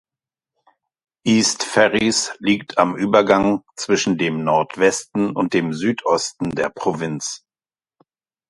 East Ferris liegt am Übergang zwischen dem Nordwesten und dem Südosten der Provinz.